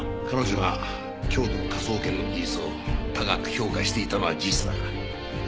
彼女が京都の科捜研の技術を高く評価していたのは事実だから。